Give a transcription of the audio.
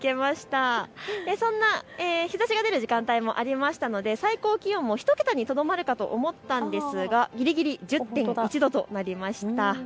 日ざしが出る時間帯もありましたので最高気温も１桁にとどまるかと思いましたがぎりぎり１０．１度となりました。